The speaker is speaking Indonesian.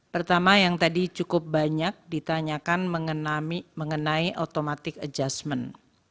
pertama yang tadi cukup banyak ditanyakan mengenai automatic adjustment